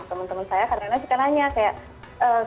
teman teman saya kadang kadang suka nanya kayak